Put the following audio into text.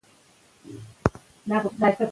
آیا شرع موږ ته د ظالم پر وړاندې د جنګ اجازه راکوي؟